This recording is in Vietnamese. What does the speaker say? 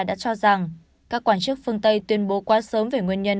đã cho rằng các quan chức phương tây tuyên bố quá sớm về nguyên nhân